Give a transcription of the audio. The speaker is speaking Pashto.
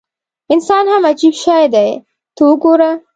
انسان هم عجیب شی دی ته وګوره.